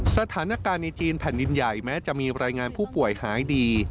สถานการณ์ในจีนแผ่นดินใหญ่แม้จะมีรายงานผู้ป่วยหายดี